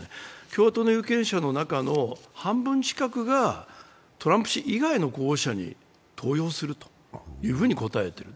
共和党の有権者の中の半分近くがトランプ氏以外の候補者に投票すると答えている。